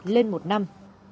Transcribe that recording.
lên một năm